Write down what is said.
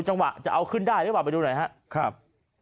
จังหวะจะเอาขึ้นได้หรือเปล่าไปดูหน่อยครับ